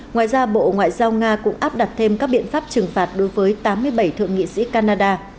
ngoài ra bộ ngoại giao nga cũng áp đặt thêm các biện pháp trừng phạt đối với tám mươi bảy thượng nghị sĩ canada